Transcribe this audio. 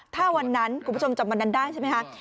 ถ้าวันนั้นคุณผู้ชมจำวันนั้นได้ใช่ไหมคะ